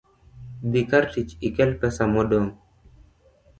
Dhi kar tich ikel pesa modong'